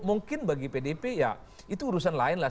mungkin bagi pdip ya itu urusan lain lah